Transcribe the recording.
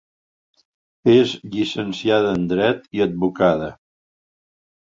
És llicenciada en dret i advocada.